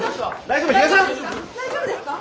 大丈夫ですか？